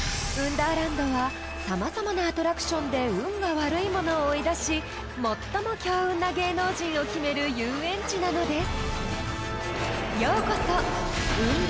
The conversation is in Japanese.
ダーランドは様々なアトラクションで運が悪い者を追い出し最も強運な芸能人を決める遊園地なのです］